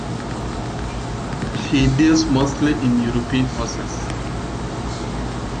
She deals mostly in European horses.